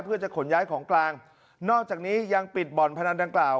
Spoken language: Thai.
เพื่อจะขนย้ายของกลางนอกจากนี้ยังปิดบ่อนพนันดังกล่าว